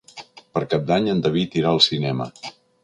Per Cap d'Any en David irà al cinema.